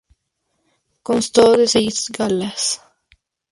Constó de seis galas.